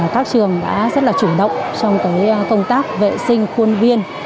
các trường đã rất là chủ động trong công tác vệ sinh khuôn viên